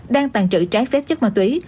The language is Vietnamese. đang tàn trữ trái phép chất ma túy